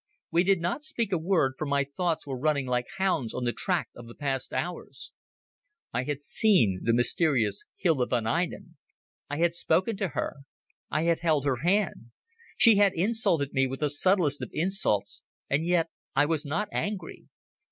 We did not speak a word, for my thoughts were running like hounds on the track of the past hours. I had seen the mysterious Hilda von Einem, I had spoken to her, I had held her hand. She had insulted me with the subtlest of insults and yet I was not angry.